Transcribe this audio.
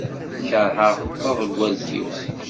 Keṛheɣ taḍeggalt-iw.